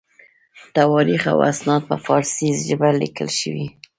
تواریخ او اسناد په فارسي ژبه لیکل شوي.